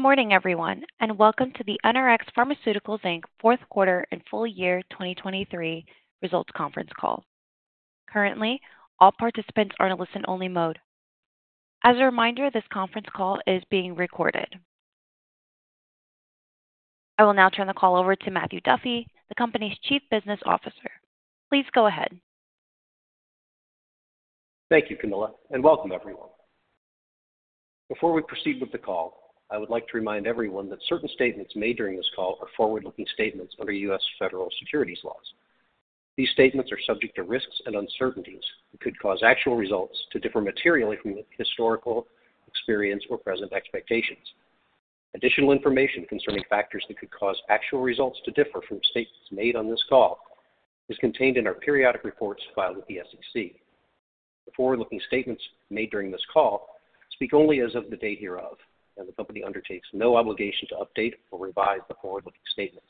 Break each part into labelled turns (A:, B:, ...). A: Good morning, everyone, and welcome to the NRx Pharmaceuticals, Inc. fourth quarter and full year 2023 results Conference Call. Currently, all participants are in a listen-only mode. As a reminder, this conference call is being recorded. I will now turn the call over to Matthew Duffy, the company's Chief Business Officer. Please go ahead.
B: Thank you, Camilla, and welcome, everyone. Before we proceed with the call, I would like to remind everyone that certain statements made during this call are forward-looking statements under U.S. federal securities laws. These statements are subject to risks and uncertainties that could cause actual results to differ materially from historical experience or present expectations. Additional information concerning factors that could cause actual results to differ from statements made on this call is contained in our periodic reports filed with the SEC. The forward-looking statements made during this call speak only as of the date hereof, and the company undertakes no obligation to update or revise the forward-looking statements.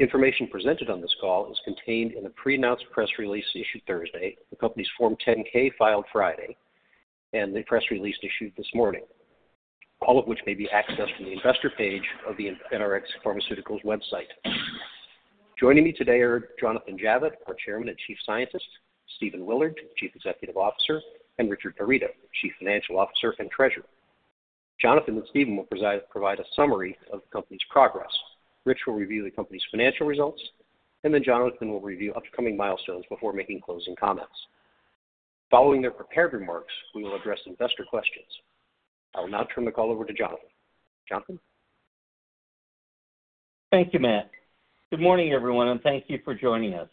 B: Information presented on this call is contained in a pre-announced press release issued Thursday, the company's Form 10-K filed Friday, and the press release issued this morning, all of which may be accessed from the investor page of the NRx Pharmaceuticals website. Joining me today are Jonathan Javitt, our Chairman and Chief Scientist; Stephen Willard, Chief Executive Officer; and Richard Narido, Chief Financial Officer and Treasurer. Jonathan and Stephen will provide a summary of the company's progress. Rich will review the company's financial results, and then Jonathan will review upcoming milestones before making closing comments. Following their prepared remarks, we will address investor questions. I will now turn the call over to Jonathan. Jonathan?
C: Thank you, Matt. Good morning, everyone, and thank you for joining us.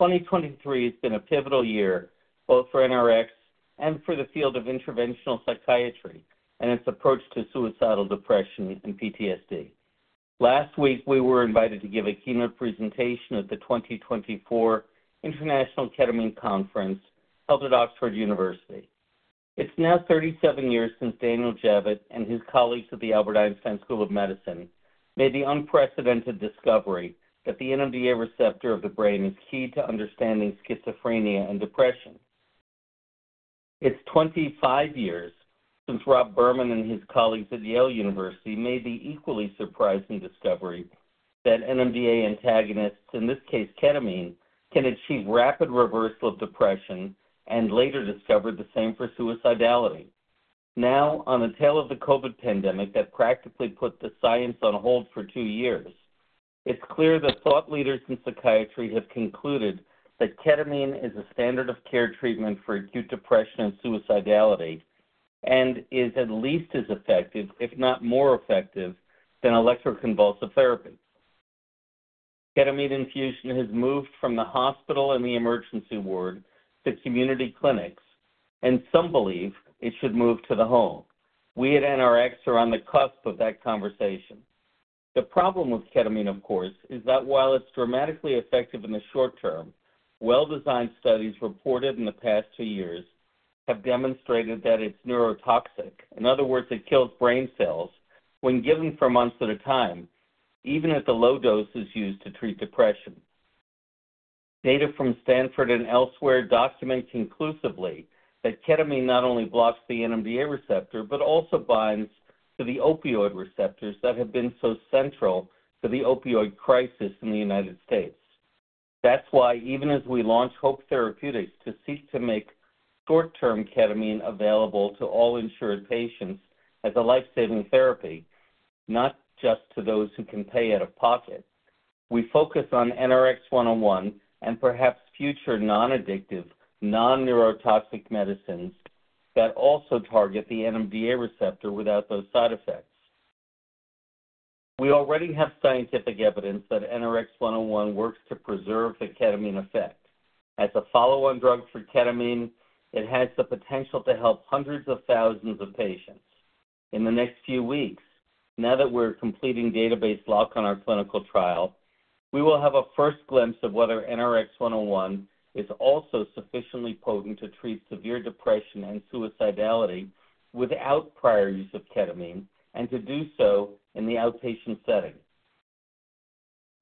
C: 2023 has been a pivotal year both for NRx and for the field of interventional psychiatry and its approach to suicidal depression and PTSD. Last week, we were invited to give a keynote presentation at the 2024 International Ketamine Conference held at Oxford University. It's now 37 years since Daniel Javitt and his colleagues at the Albert Einstein College of Medicine made the unprecedented discovery that the NMDA receptor of the brain is key to understanding schizophrenia and depression. It's 25 years since Rob Berman and his colleagues at Yale University made the equally surprising discovery that NMDA antagonists, in this case ketamine, can achieve rapid reversal of depression and later discovered the same for suicidality. Now, on the tail of the COVID pandemic that practically put the science on hold for 2 years, it's clear that thought leaders in psychiatry have concluded that ketamine is a standard of care treatment for acute depression and suicidality and is at least as effective, if not more effective, than electroconvulsive therapy. Ketamine infusion has moved from the hospital and the emergency ward to community clinics, and some believe it should move to the home. We at NRx are on the cusp of that conversation. The problem with ketamine, of course, is that while it's dramatically effective in the short term, well-designed studies reported in the past 2 years have demonstrated that it's neurotoxic. In other words, it kills brain cells when given for months at a time, even at the low doses used to treat depression. Data from Stanford and elsewhere documents conclusively that ketamine not only blocks the NMDA receptor but also binds to the opioid receptors that have been so central to the opioid crisis in the United States. That's why, even as we launch Hope Therapeutics to seek to make short-term ketamine available to all insured patients as a lifesaving therapy, not just to those who can pay out of pocket, we focus on NRx-101 and perhaps future non-addictive, non-neurotoxic medicines that also target the NMDA receptor without those side effects. We already have scientific evidence that NRx-101 works to preserve the ketamine effect. As a follow-on drug for ketamine, it has the potential to help hundreds of thousands of patients. In the next few weeks, now that we're completing database lock on our clinical trial, we will have a first glimpse of whether NRx-101 is also sufficiently potent to treat severe depression and suicidality without prior use of ketamine, and to do so in the outpatient setting.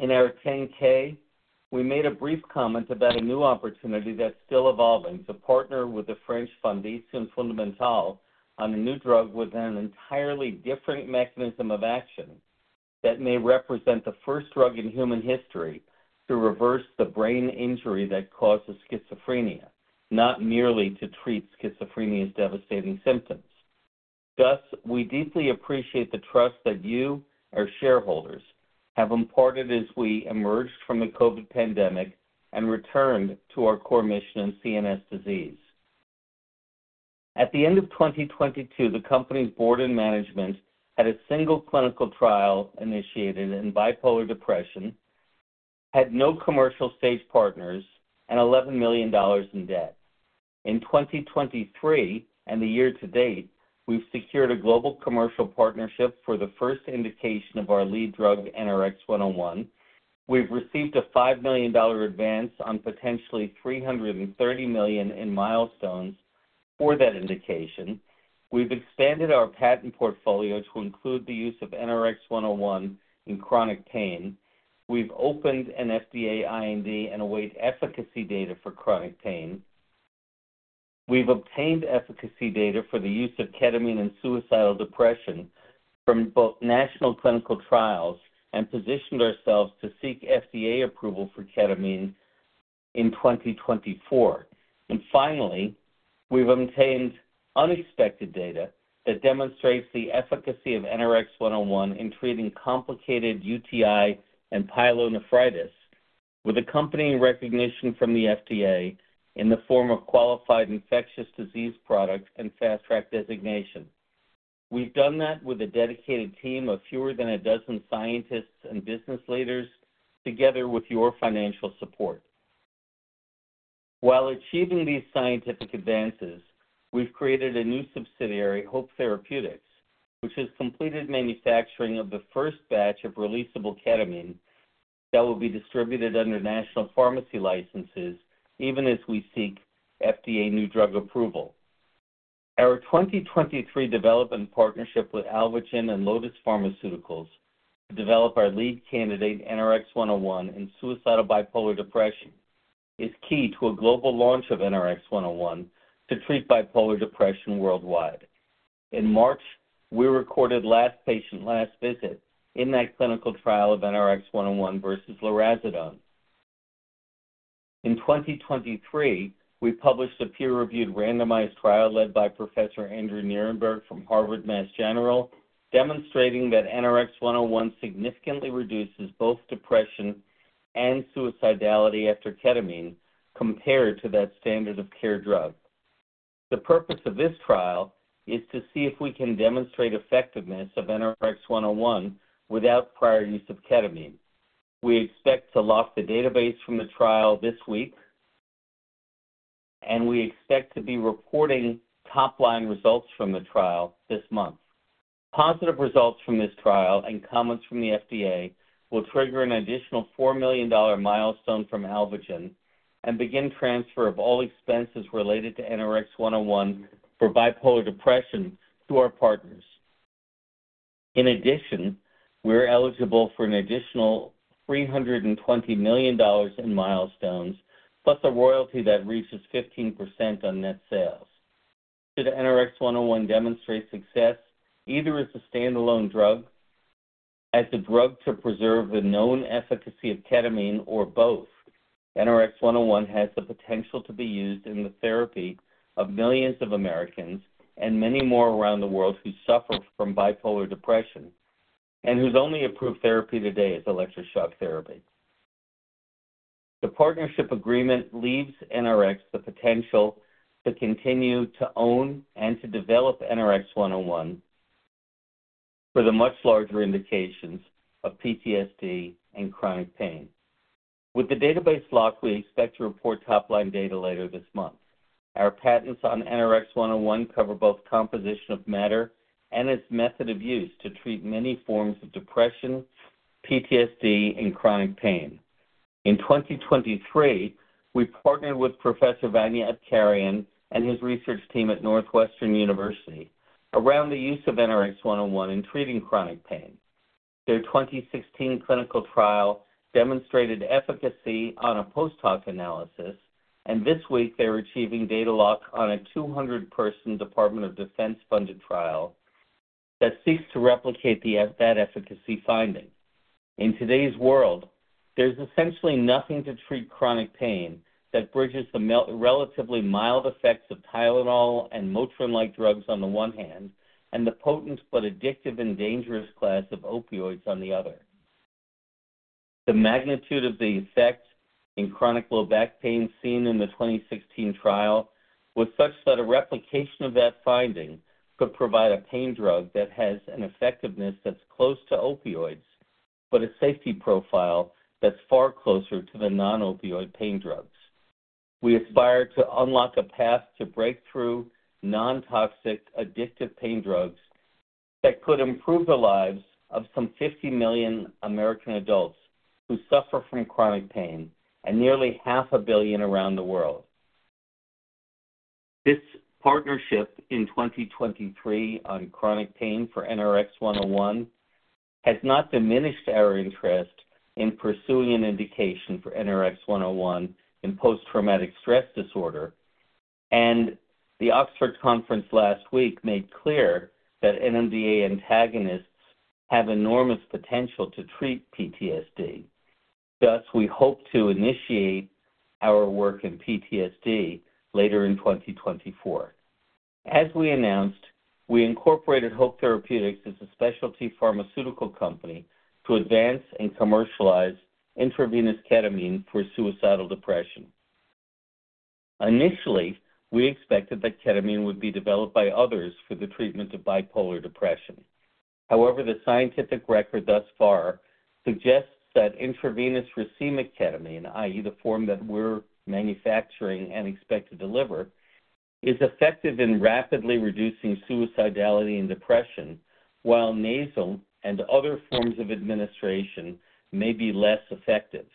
C: In our 10-K, we made a brief comment about a new opportunity that's still evolving to partner with the French Fondation FondaMental on a new drug with an entirely different mechanism of action that may represent the first drug in human history to reverse the brain injury that causes schizophrenia, not merely to treat schizophrenia's devastating symptoms. Thus, we deeply appreciate the trust that you, our shareholders, have imparted as we emerged from the COVID pandemic and returned to our core mission in CNS disease. At the end of 2022, the company's board and management had a single clinical trial initiated in bipolar depression, had no commercial stage partners, and $11 million in debt. In 2023, and the year to date, we've secured a global commercial partnership for the first indication of our lead drug, NRx-101. We've received a $5 million advance on potentially $330 million in milestones for that indication. We've expanded our patent portfolio to include the use of NRx-101 in chronic pain. We've opened an FDA IND and await efficacy data for chronic pain. We've obtained efficacy data for the use of ketamine in suicidal depression from both national clinical trials and positioned ourselves to seek FDA approval for ketamine in 2024. And finally, we've obtained unexpected data that demonstrates the efficacy of NRx-101 in treating complicated UTI and pyelonephritis with accompanying recognition from the FDA in the form of Qualified Infectious Disease Product and Fast Track designation. We've done that with a dedicated team of fewer than a dozen scientists and business leaders together with your financial support. While achieving these scientific advances, we've created a new subsidiary, Hope Therapeutics, which has completed manufacturing of the first batch of releasable ketamine that will be distributed under national pharmacy licenses even as we seek FDA new drug approval. Our 2023 development partnership with Alvogen and Lotus Pharmaceutical to develop our lead candidate, NRx-101, in suicidal bipolar depression is key to a global launch of NRx-101 to treat bipolar depression worldwide. In March, we recorded last patient, last visit in that clinical trial of NRx-101 versus lurasidone. In 2023, we published a peer-reviewed randomized trial led by Professor Andrew Nierenberg from Harvard Mass General demonstrating that NRx-101 significantly reduces both depression and suicidality after ketamine compared to that standard of care drug. The purpose of this trial is to see if we can demonstrate effectiveness of NRx-101 without prior use of ketamine. We expect to lock the database from the trial this week, and we expect to be reporting top-line results from the trial this month. Positive results from this trial and comments from the FDA will trigger an additional $4 million milestone from Alvogen and begin transfer of all expenses related to NRx-101 for bipolar depression to our partners. In addition, we're eligible for an additional $320 million in milestones plus a royalty that reaches 15% on net sales. Should NRx-101 demonstrate success, either as a standalone drug, as a drug to preserve the known efficacy of ketamine, or both, NRx-101 has the potential to be used in the therapy of millions of Americans and many more around the world who suffer from bipolar depression and whose only approved therapy today is electroshock therapy. The partnership agreement leaves NRx the potential to continue to own and to develop NRx-101 for the much larger indications of PTSD and chronic pain. With the database lock, we expect to report top-line data later this month. Our patents on NRx-101 cover both composition of matter and its method of use to treat many forms of depression, PTSD, and chronic pain. In 2023, we partnered with Professor Vania Apkarian and his research team at Northwestern University around the use of NRx-101 in treating chronic pain. Their 2016 clinical trial demonstrated efficacy on a post-hoc analysis, and this week, they're achieving data lock on a 200-person Department of Defense-funded trial that seeks to replicate that efficacy finding. In today's world, there's essentially nothing to treat chronic pain that bridges the relatively mild effects of Tylenol and Motrin-like drugs on the one hand and the potent but addictive and dangerous class of opioids on the other. The magnitude of the effect in chronic low back pain seen in the 2016 trial was such that a replication of that finding could provide a pain drug that has an effectiveness that's close to opioids but a safety profile that's far closer to the non-opioid pain drugs. We aspire to unlock a path to break through non-toxic, addictive pain drugs that could improve the lives of some 50 million American adults who suffer from chronic pain and nearly 500 million around the world. This partnership in 2023 on chronic pain for NRx-101 has not diminished our interest in pursuing an indication for NRx-101 in post-traumatic stress disorder, and the Oxford Conference last week made clear that NMDA antagonists have enormous potential to treat PTSD. Thus, we hope to initiate our work in PTSD later in 2024. As we announced, we incorporated Hope Therapeutics as a specialty pharmaceutical company to advance and commercialize intravenous ketamine for suicidal depression. Initially, we expected that ketamine would be developed by others for the treatment of bipolar depression. However, the scientific record thus far suggests that intravenous racemic ketamine, i.e., the form that we're manufacturing and expect to deliver, is effective in rapidly reducing suicidality and depression while nasal and other forms of administration may be less effective.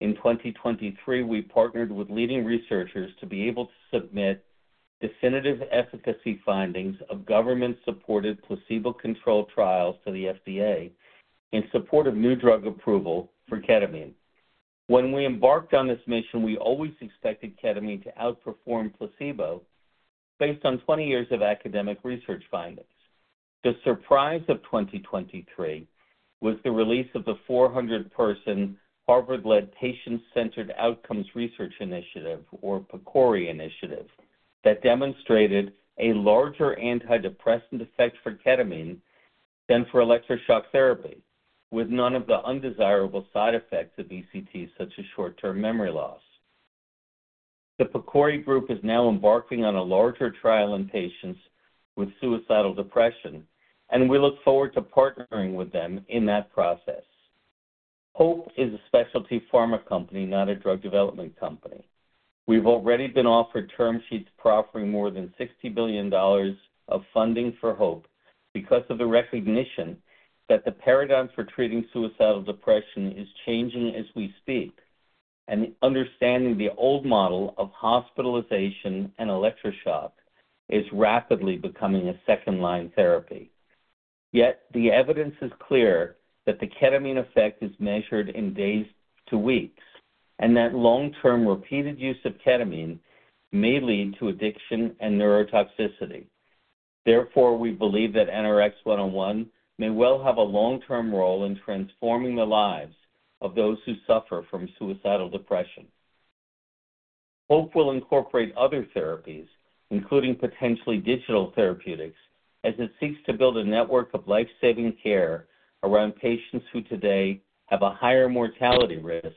C: In 2023, we partnered with leading researchers to be able to submit definitive efficacy findings of government-supported placebo-controlled trials to the FDA in support of new drug approval for ketamine. When we embarked on this mission, we always expected ketamine to outperform placebo based on 20 years of academic research findings. The surprise of 2023 was the release of the 400-person Harvard-led Patient-Centered Outcomes Research Institute, or PCORI, that demonstrated a larger antidepressant effect for ketamine than for electroconvulsive therapy, with none of the undesirable side effects of ECT, such as short-term memory loss. The PCORI Group is now embarking on a larger trial in patients with suicidal depression, and we look forward to partnering with them in that process. Hope is a specialty pharma company, not a drug development company. We've already been offered term sheets for offering more than $60 billion of funding for Hope because of the recognition that the paradigm for treating suicidal depression is changing as we speak, and understanding the old model of hospitalization and electroshock is rapidly becoming a second-line therapy. Yet, the evidence is clear that the ketamine effect is measured in days to weeks and that long-term repeated use of ketamine may lead to addiction and neurotoxicity. Therefore, we believe that NRx-101 may well have a long-term role in transforming the lives of those who suffer from suicidal depression. Hope will incorporate other therapies, including potentially digital therapeutics, as it seeks to build a network of lifesaving care around patients who today have a higher mortality risk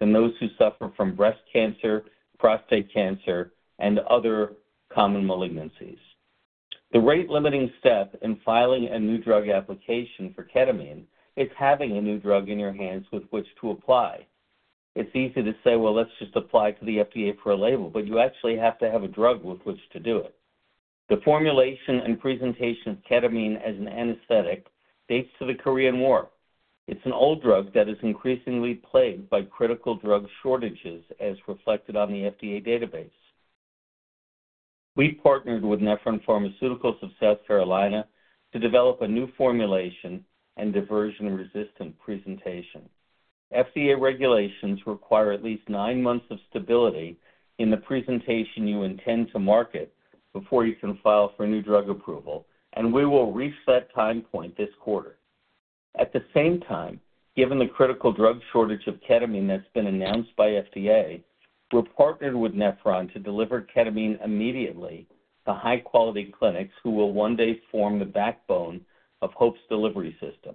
C: than those who suffer from breast cancer, prostate cancer, and other common malignancies. The rate-limiting step in filing a new drug application for ketamine is having a new drug in your hands with which to apply. It's easy to say, "Well, let's just apply to the FDA for a label," but you actually have to have a drug with which to do it. The formulation and presentation of ketamine as an anesthetic dates to the Korean War. It's an old drug that is increasingly plagued by critical drug shortages, as reflected on the FDA database. We partnered with Nephron Pharmaceuticals of South Carolina to develop a new formulation and diversion-resistant presentation. FDA regulations require at least nine months of stability in the presentation you intend to market before you can file for new drug approval, and we will reach that time point this quarter. At the same time, given the critical drug shortage of ketamine that's been announced by FDA, we're partnered with Nephron to deliver ketamine immediately to high-quality clinics who will one day form the backbone of Hope's delivery system.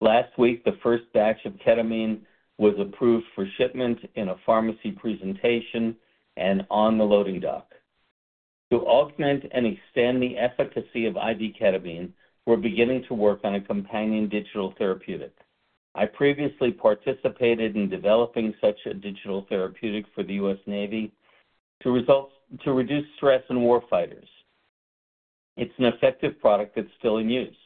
C: Last week, the first batch of ketamine was approved for shipment in a pharmacy presentation and on the loading dock. To augment and extend the efficacy of IV ketamine, we're beginning to work on a companion digital therapeutic. I previously participated in developing such a digital therapeutic for the U.S. Navy to reduce stress in warfighters. It's an effective product that's still in use.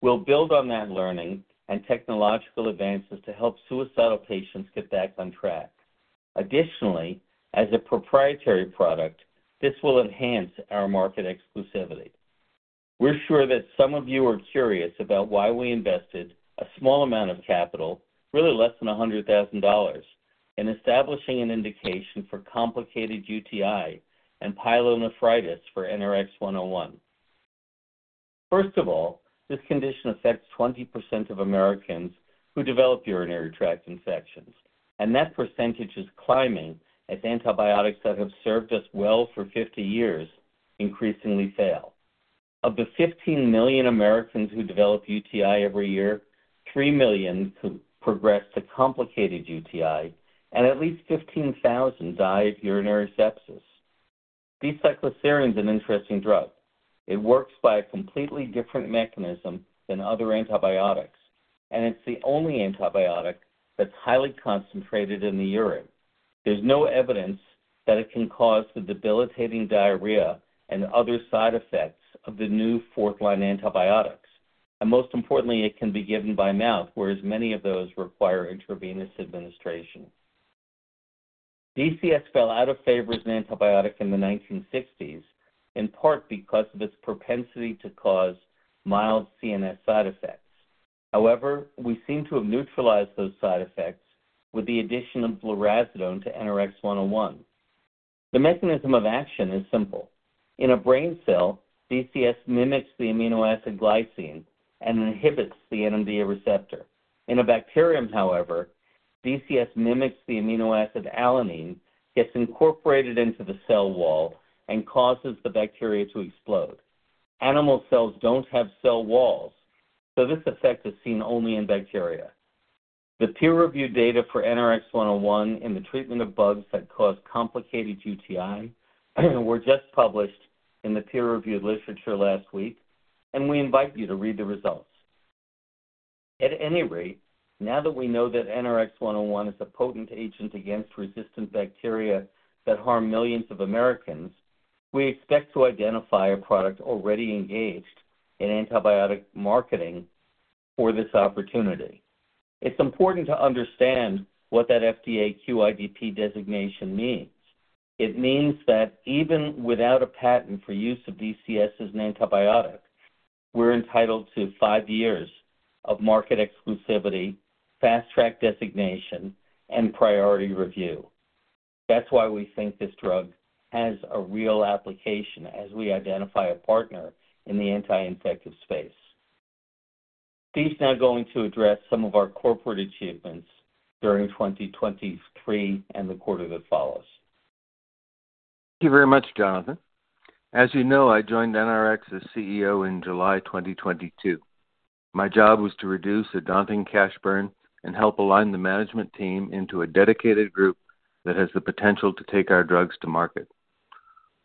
C: We'll build on that learning and technological advances to help suicidal patients get back on track. Additionally, as a proprietary product, this will enhance our market exclusivity. We're sure that some of you are curious about why we invested a small amount of capital, really less than $100,000, in establishing an indication for complicated UTI and pyelonephritis for NRx-101. First of all, this condition affects 20% of Americans who develop urinary tract infections, and that percentage is climbing as antibiotics that have served us well for 50 years increasingly fail. Of the 15 million Americans who develop UTI every year, 3 million progress to complicated UTI, and at least 15,000 die of urinary sepsis. D-cycloserine is an interesting drug. It works by a completely different mechanism than other antibiotics, and it's the only antibiotic that's highly concentrated in the urine. There's no evidence that it can cause the debilitating diarrhea and other side effects of the new fourth-line antibiotics. And most importantly, it can be given by mouth, whereas many of those require intravenous administration. DCS fell out of favor as an antibiotic in the 1960s, in part because of its propensity to cause mild CNS side effects. However, we seem to have neutralized those side effects with the addition of lurasidone to NRx-101. The mechanism of action is simple. In a brain cell, DCS mimics the amino acid glycine and inhibits the NMDA receptor. In a bacterium, however, DCS mimics the amino acid alanine, gets incorporated into the cell wall, and causes the bacteria to explode. Animal cells don't have cell walls, so this effect is seen only in bacteria. The peer-reviewed data for NRx-101 in the treatment of bugs that cause complicated UTI were just published in the peer-reviewed literature last week, and we invite you to read the results. At any rate, now that we know that NRx-101 is a potent agent against resistant bacteria that harm millions of Americans, we expect to identify a partner already engaged in antibiotic marketing for this opportunity. It's important to understand what that FDA QIDP designation means. It means that even without a patent for use of DCS as an antibiotic, we're entitled to five years of market exclusivity, Fast Track designation, and Priority Review. That's why we think this drug has a real application as we identify a partner in the anti-infective space. He's now going to address some of our corporate achievements during 2023 and the quarter that follows.
D: Thank you very much, Jonathan. As you know, I joined NRx as CEO in July 2022. My job was to reduce a daunting cash burn and help align the management team into a dedicated group that has the potential to take our drugs to market.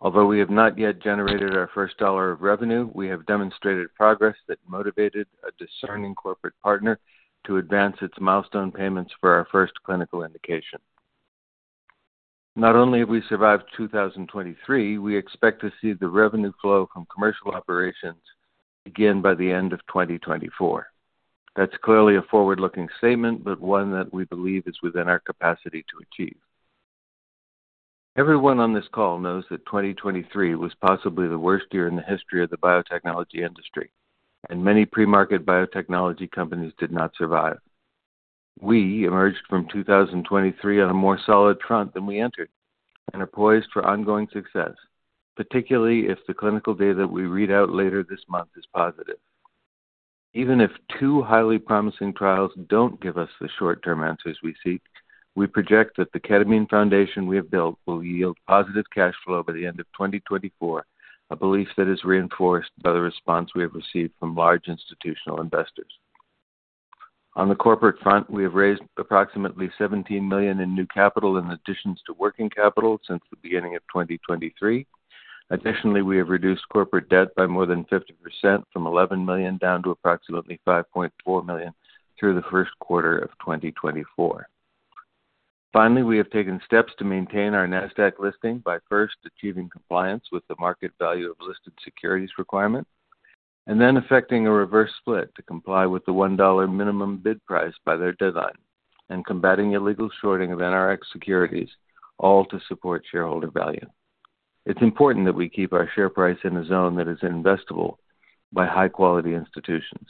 D: Although we have not yet generated our first dollar of revenue, we have demonstrated progress that motivated a discerning corporate partner to advance its milestone payments for our first clinical indication. Not only have we survived 2023, we expect to see the revenue flow from commercial operations begin by the end of 2024. That's clearly a forward-looking statement, but one that we believe is within our capacity to achieve. Everyone on this call knows that 2023 was possibly the worst year in the history of the biotechnology industry, and many pre-market biotechnology companies did not survive. We emerged from 2023 on a more solid front than we entered and are poised for ongoing success, particularly if the clinical data that we read out later this month is positive. Even if two highly promising trials don't give us the short-term answers we seek, we project that the ketamine foundation we have built will yield positive cash flow by the end of 2024, a belief that is reinforced by the response we have received from large institutional investors. On the corporate front, we have raised approximately $17 million in new capital in addition to working capital since the beginning of 2023. Additionally, we have reduced corporate debt by more than 50% from $11 million down to approximately $5.4 million through the first quarter of 2024. Finally, we have taken steps to maintain our Nasdaq listing by first achieving compliance with the market value of listed securities requirement, and then effecting a reverse split to comply with the $1 minimum bid price by their deadline, and combating illegal shorting of NRx securities, all to support shareholder value. It's important that we keep our share price in a zone that is investable by high-quality institutions.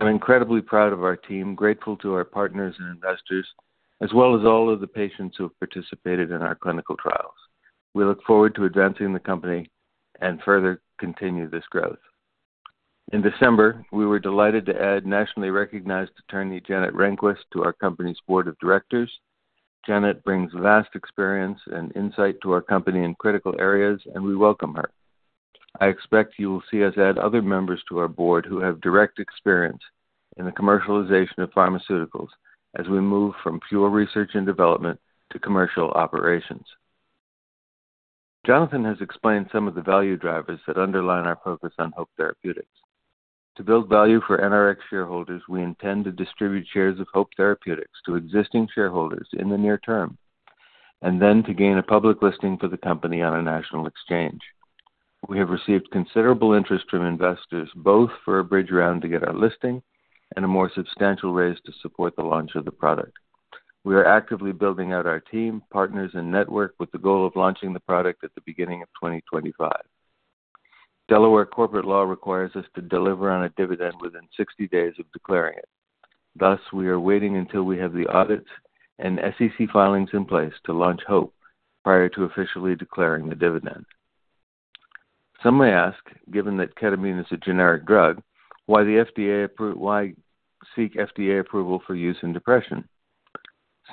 D: I'm incredibly proud of our team, grateful to our partners and investors, as well as all of the patients who have participated in our clinical trials. We look forward to advancing the company and further continue this growth. In December, we were delighted to add nationally recognized attorney Janet Rehnquist to our company's board of directors. Janet brings vast experience and insight to our company in critical areas, and we welcome her. I expect you will see us add other members to our board who have direct experience in the commercialization of pharmaceuticals as we move from pure research and development to commercial operations. Jonathan has explained some of the value drivers that underline our focus on Hope Therapeutics. To build value for NRx shareholders, we intend to distribute shares of Hope Therapeutics to existing shareholders in the near term, and then to gain a public listing for the company on a national exchange. We have received considerable interest from investors, both for a bridge round to get our listing and a more substantial raise to support the launch of the product. We are actively building out our team, partners, and network with the goal of launching the product at the beginning of 2025. Delaware corporate law requires us to deliver on a dividend within 60 days of declaring it. Thus, we are waiting until we have the audits and SEC filings in place to launch Hope prior to officially declaring the dividend. Some may ask, given that ketamine is a generic drug, why seek FDA approval for use in depression?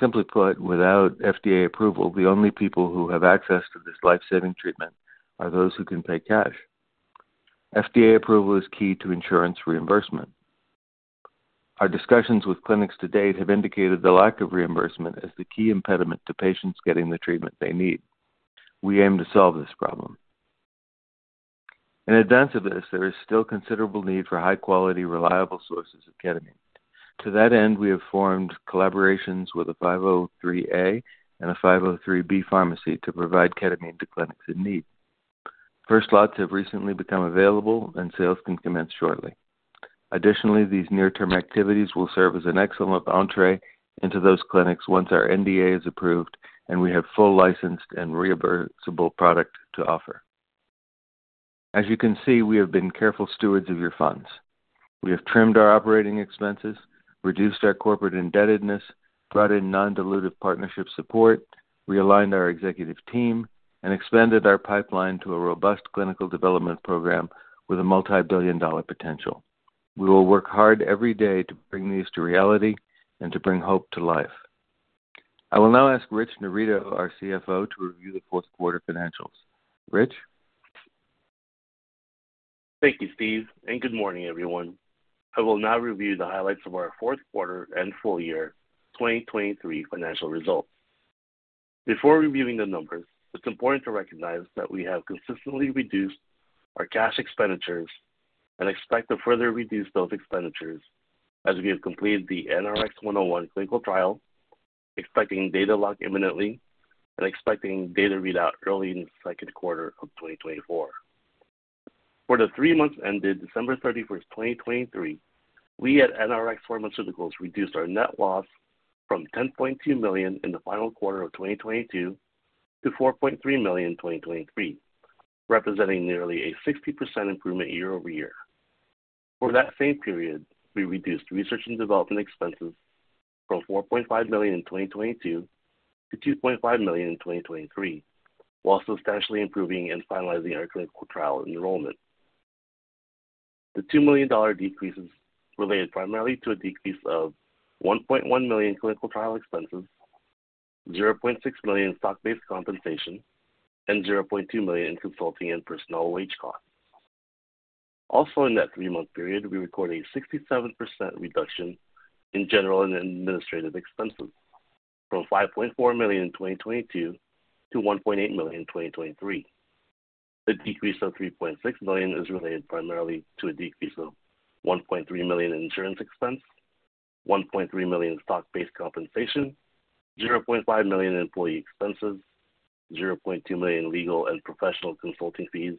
D: Simply put, without FDA approval, the only people who have access to this lifesaving treatment are those who can pay cash. FDA approval is key to insurance reimbursement. Our discussions with clinics to date have indicated the lack of reimbursement as the key impediment to patients getting the treatment they need. We aim to solve this problem. In advance of this, there is still considerable need for high-quality, reliable sources of ketamine. To that end, we have formed collaborations with a 503A and a 503B pharmacy to provide ketamine to clinics in need. First lots have recently become available, and sales can commence shortly. Additionally, these near-term activities will serve as an excellent entrée into those clinics once our NDA is approved and we have full licensed and reimbursable product to offer. As you can see, we have been careful stewards of your funds. We have trimmed our operating expenses, reduced our corporate indebtedness, brought in non-dilutive partnership support, realigned our executive team, and expanded our pipeline to a robust clinical development program with a multi-billion dollar potential. We will work hard every day to bring these to reality and to bring Hope to life. I will now ask Rich Narido, our CFO, to review the fourth quarter financials. Rich?
E: Thank you, Steve, and good morning, everyone. I will now review the highlights of our fourth quarter and full year 2023 financial results. Before reviewing the numbers, it's important to recognize that we have consistently reduced our cash expenditures and expect to further reduce those expenditures as we have completed the NRx-101 clinical trial, expecting data lock imminently, and expecting data readout early in the second quarter of 2024. For the three months ended December 31st, 2023, we at NRx Pharmaceuticals reduced our net loss from $10.2 million in the final quarter of 2022 to $4.3 million in 2023, representing nearly a 60% improvement year-over-year. For that same period, we reduced research and development expenses from $4.5 million in 2022 to $2.5 million in 2023, while substantially improving and finalizing our clinical trial enrollment. The $2 million decreases related primarily to a decrease of $1.1 million clinical trial expenses, $0.6 million stock-based compensation, and $0.2 million in consulting and personnel wage costs. Also in that three-month period, we record a 67% reduction in general and administrative expenses from $5.4 million in 2022 to $1.8 million in 2023. The decrease of $3.6 million is related primarily to a decrease of $1.3 million in insurance expense, $1.3 million in stock-based compensation, $0.5 million in employee expenses, $0.2 million in legal and professional consulting fees,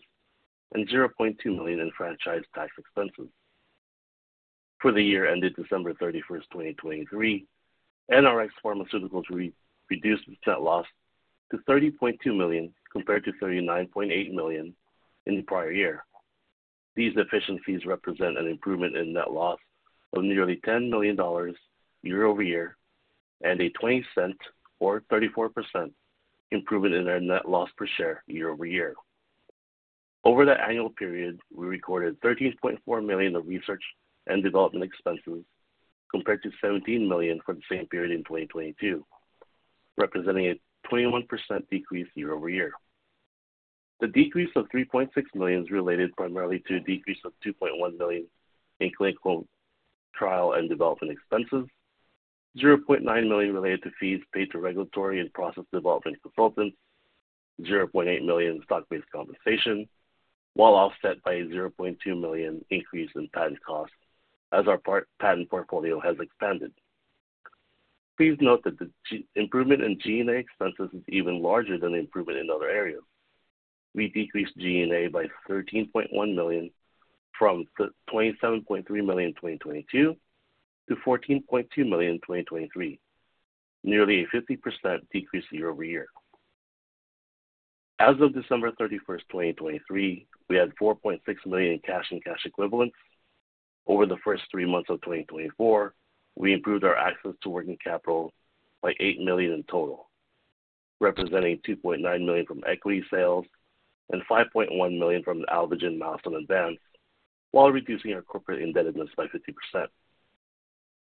E: and $0.2 million in franchise tax expenses. For the year ended December 31st, 2023, NRx Pharmaceuticals reduced its net loss to $30.2 million compared to $39.8 million in the prior year. These figures represent an improvement in net loss of nearly $10 million year-over-year and a $0.20 or 34% improvement in our net loss per share year-over-year. Over that annual period, we recorded $13.4 million in research and development expenses compared to $17 million for the same period in 2022, representing a 21% decrease year-over-year. The decrease of $3.6 million is related primarily to a decrease of $2.1 million in clinical trial and development expenses, $0.9 million related to fees paid to regulatory and process development consultants, $0.8 million in stock-based compensation, while offset by a $0.2 million increase in patent costs as our patent portfolio has expanded. Please note that the improvement in G&A expenses is even larger than the improvement in other areas. We decreased G&A by $13.1 million from $27.3 million in 2022 to $14.2 million in 2023, nearly a 50% decrease year-over-year. As of December 31st, 2023, we had $4.6 million in cash and cash equivalents. Over the first three months of 2024, we improved our access to working capital by $8 million in total, representing $2.9 million from equity sales and $5.1 million from the Alvogen milestone advance, while reducing our corporate indebtedness by 50%.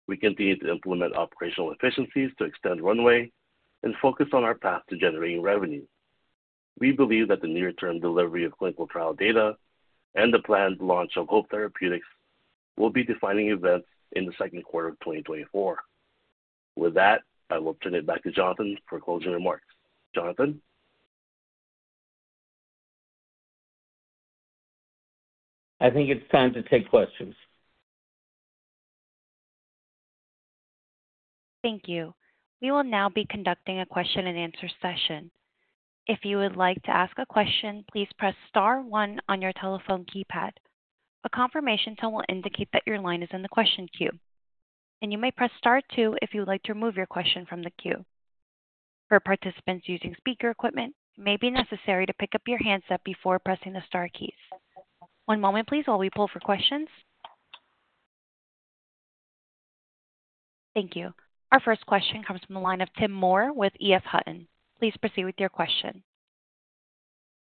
E: We continue to implement operational efficiencies to extend runway and focus on our path to generating revenue. We believe that the near-term delivery of clinical trial data and the planned launch of Hope Therapeutics will be defining events in the second quarter of 2024. With that, I will turn it back to Jonathan for closing remarks. Jonathan?
C: I think it's time to take questions.
A: Thank you. We will now be conducting a question-and-answer session. If you would like to ask a question, please press star 1 on your telephone keypad. A confirmation tone will indicate that your line is in the question queue, and you may press star 2 if you would like to remove your question from the queue. For participants using speaker equipment, it may be necessary to pick up your handset before pressing the star keys. One moment, please, while we pull for questions. Thank you. Our first question comes from the line of Tim Moore with EF Hutton. Please proceed with your question.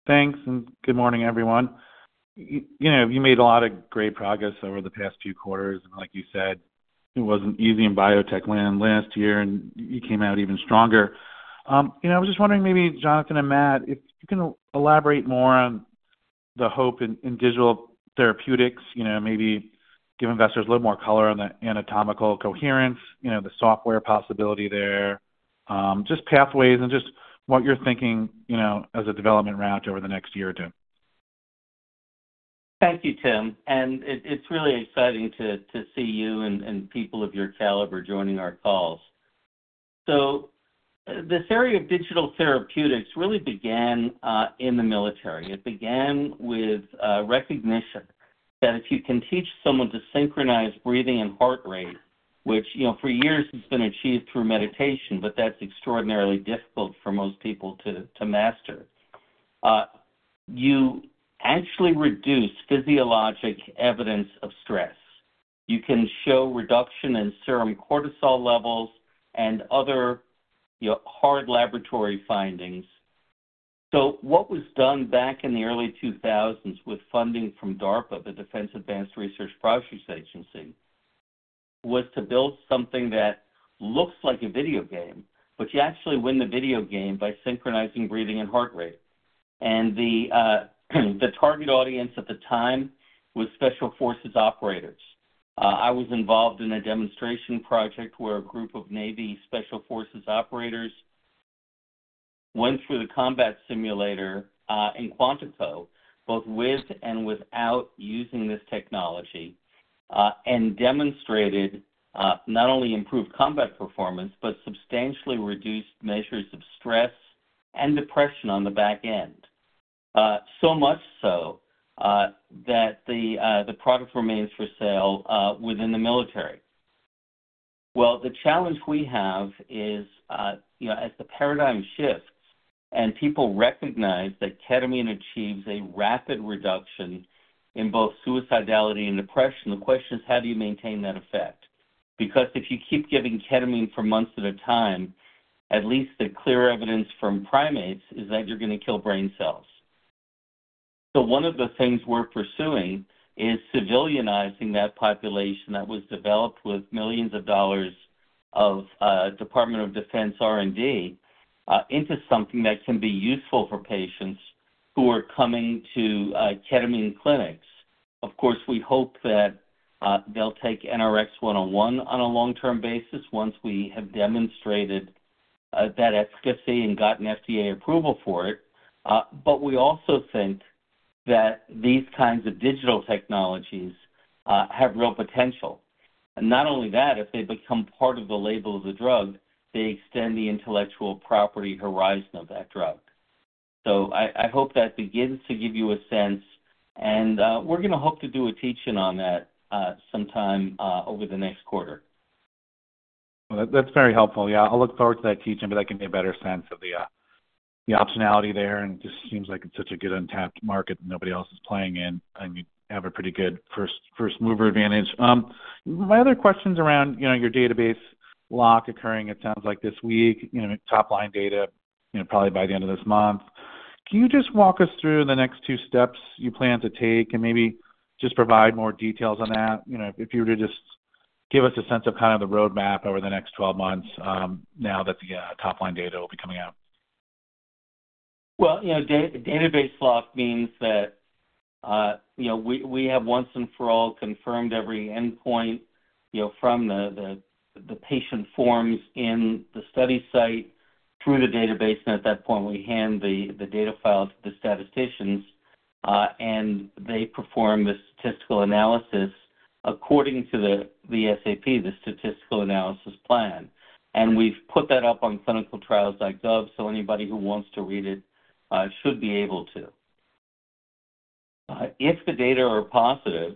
F: Thanks, and good morning, everyone. You made a lot of great progress over the past few quarters, and like you said, it wasn't easy in biotech land last year, and you came out even stronger. I was just wondering, maybe Jonathan and Matt, if you can elaborate more on Hope Therapeutics, maybe give investors a little more color on the autonomic coherence, the software possibility there, just pathways, and just what you're thinking as a development route over the next year or two.
C: Thank you, Tim. It's really exciting to see you and people of your caliber joining our calls. This area of digital therapeutics really began in the military. It began with recognition that if you can teach someone to synchronize breathing and heart rate, which for years has been achieved through meditation, but that's extraordinarily difficult for most people to master, you actually reduce physiologic evidence of stress. You can show reduction in serum cortisol levels and other hard laboratory findings. So what was done back in the early 2000s with funding from DARPA, the Defense Advanced Research Projects Agency, was to build something that looks like a video game, but you actually win the video game by synchronizing breathing and heart rate. The target audience at the time was special forces operators. I was involved in a demonstration project where a group of Navy special forces operators went through the combat simulator in Quantico, both with and without using this technology, and demonstrated not only improved combat performance but substantially reduced measures of stress and depression on the back end, so much so that the product remains for sale within the military. Well, the challenge we have is, as the paradigm shifts and people recognize that ketamine achieves a rapid reduction in both suicidality and depression, the question is, how do you maintain that effect? Because if you keep giving ketamine for months at a time, at least the clear evidence from primates is that you're going to kill brain cells. So one of the things we're pursuing is civilianizing that population that was developed with $ millions of Department of Defense R&D into something that can be useful for patients who are coming to ketamine clinics. Of course, we hope that they'll take NRx 101 on a long-term basis once we have demonstrated that efficacy and gotten FDA approval for it. But we also think that these kinds of digital technologies have real potential. And not only that, if they become part of the label of the drug, they extend the intellectual property horizon of that drug. So I hope that begins to give you a sense, and we're going to hope to do a teach-in on that sometime over the next quarter.
F: Well, that's very helpful. Yeah, I'll look forward to that teach-in, but that can give me a better sense of the optionality there. It just seems like it's such a good untapped market nobody else is playing in, and you have a pretty good first-mover advantage. My other question's around your database lock occurring, it sounds like, this week. Top-line data, probably by the end of this month. Can you just walk us through the next two steps you plan to take and maybe just provide more details on that? If you were to just give us a sense of kind of the roadmap over the next 12 months now that the top-line data will be coming out.
C: Well, database lock means that we have once and for all confirmed every endpoint from the patient forms in the study site through the database, and at that point, we hand the data file to the statisticians, and they perform the statistical analysis according to the SAP, the statistical analysis plan. We've put that up on ClinicalTrials.gov, so anybody who wants to read it should be able to. If the data are positive,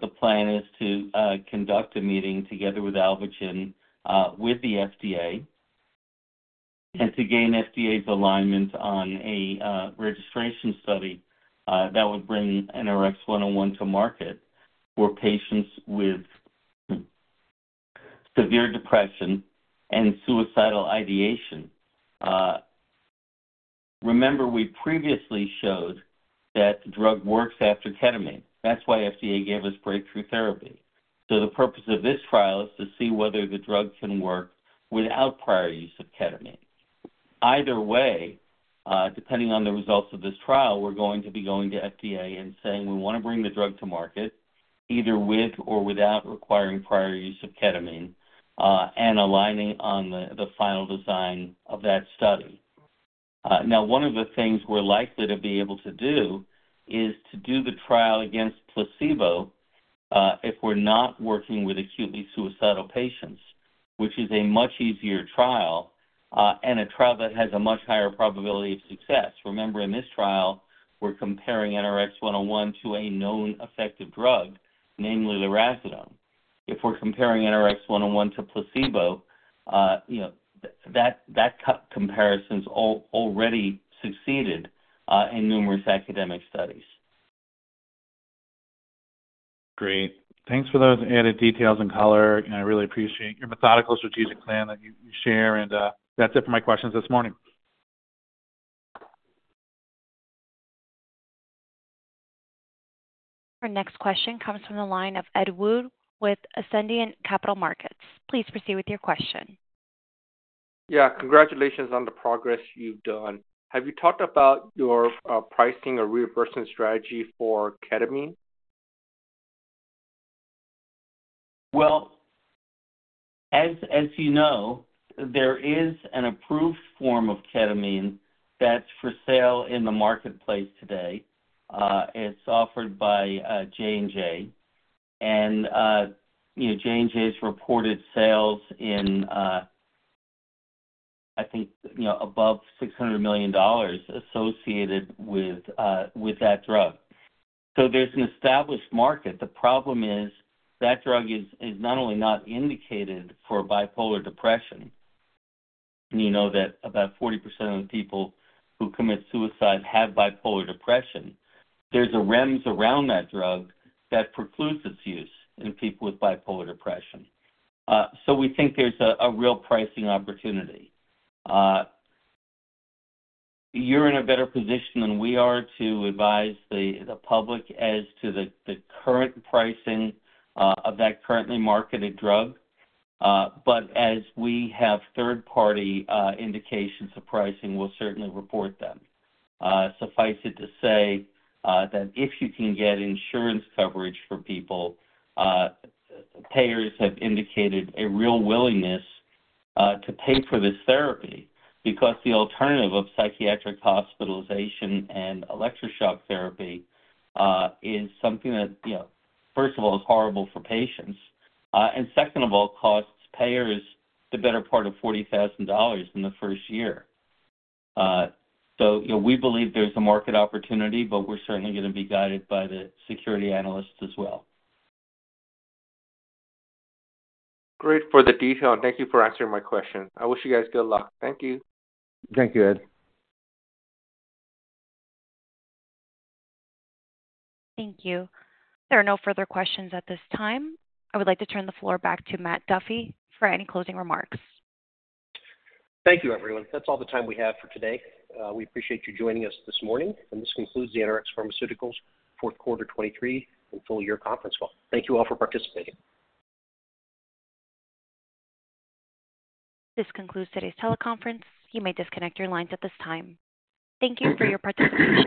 C: the plan is to conduct a meeting together with Alvogen with the FDA and to gain FDA's alignment on a registration study that would bring NRx-101 to market for patients with severe depression and suicidal ideation. Remember, we previously showed that the drug works after ketamine. That's why FDA gave us breakthrough therapy. So the purpose of this trial is to see whether the drug can work without prior use of ketamine. Either way, depending on the results of this trial, we're going to be going to FDA and saying, "We want to bring the drug to market either with or without requiring prior use of ketamine," and aligning on the final design of that study. Now, one of the things we're likely to be able to do is to do the trial against placebo if we're not working with acutely suicidal patients, which is a much easier trial and a trial that has a much higher probability of success. Remember, in this trial, we're comparing NRx-101 to a known effective drug, namely lurasidone. If we're comparing NRx-101 to placebo, that comparison's already succeeded in numerous academic studies.
F: Great. Thanks for those added details and color. I really appreciate your methodical strategic plan that you share, and that's it for my questions this morning.
A: Our next question comes from the line of Edward Woo with Ascendiant Capital Markets. Please proceed with your question.
G: Yeah, congratulations on the progress you've done. Have you talked about your pricing or reimbursement strategy for ketamine?
E: Well, as you know, there is an approved form of ketamine that's for sale in the marketplace today. It's offered by J&J, and J&J's reported sales in, I think, above $600 million associated with that drug. So there's an established market. The problem is that drug is not only not indicated for bipolar depression - and you know that about 40% of the people who commit suicide have bipolar depression - there's a REMS around that drug that precludes its use in people with bipolar depression. So we think there's a real pricing opportunity. You're in a better position than we are to advise the public as to the current pricing of that currently marketed drug, but as we have third-party indications of pricing, we'll certainly report them. Suffice it to say that if you can get insurance coverage for people, payers have indicated a real willingness to pay for this therapy because the alternative of psychiatric hospitalization and electroshock therapy is something that, first of all, is horrible for patients, and second of all, costs payers the better part of $40,000 in the first year. So we believe there's a market opportunity, but we're certainly going to be guided by the security analysts as well.
G: Great for the detail. Thank you for answering my question. I wish you guys good luck. Thank you.
E: Thank you, Ed.
A: Thank you. There are no further questions at this time. I would like to turn the floor back to Matt Duffy for any closing remarks.
B: Thank you, everyone. That's all the time we have for today. We appreciate you joining us this morning, and this concludes the NRx Pharmaceuticals fourth quarter 2023 and full-year conference call. Thank you all for participating.
A: This concludes today's teleconference. You may disconnect your lines at this time. Thank you for your participation.